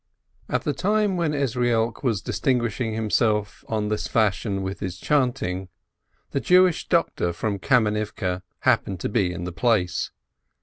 At the time when Ezrielk was distinguishing himself on this fashion with his chanting, the Jewish doctor from Kamenivke happened to be in the place.